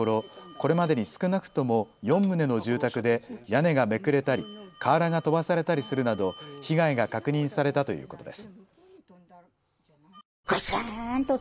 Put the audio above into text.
これまでに少なくとも４棟の住宅で屋根がめくれたり、瓦が飛ばされたりするなど被害が確認されたということです。